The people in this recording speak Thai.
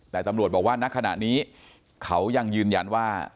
แต่ตำรวจบอกว่าณขณะนี้เขายังยืนยันว่า